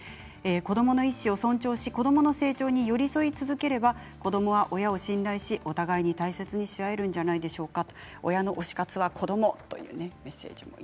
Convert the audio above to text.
子どもの意思を尊重し子どもの成長に寄り添い続ければ子どもは親を信頼しお互いに大切にし合えるんじゃないでしょうか。